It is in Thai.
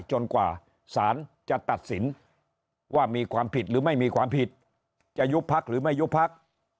กว่าสารจะตัดสินว่ามีความผิดหรือไม่มีความผิดจะยุบพักหรือไม่ยุบพัก